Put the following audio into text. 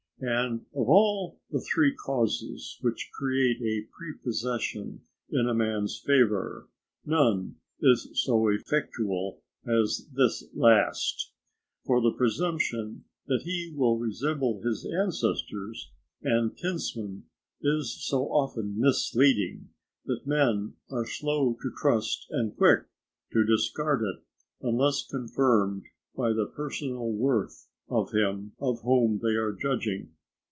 And of all the three causes which create a prepossession in a man's favour, none is so effectual as this last. For the presumption that he will resemble his ancestors and kinsmen is so often misleading, that men are slow to trust and quick to discard it, unless confirmed by the personal worth of him of whom they are judging.